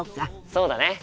そうだね。